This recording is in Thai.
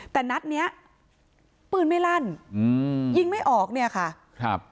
แต่นัดเนี้ยปืนไม่ลั่นอืมยิงไม่ออกเนี่ยค่ะครับ